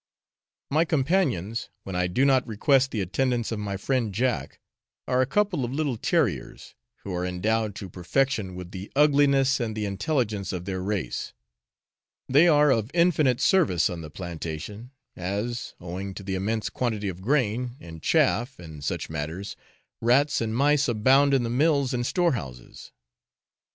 My companions, when I do not request the attendance of my friend Jack, are a couple of little terriers, who are endowed to perfection with the ugliness and the intelligence of their race they are of infinite service on the plantation, as, owing to the immense quantity of grain, and chaff, and such matters, rats and mice abound in the mills and storehouses.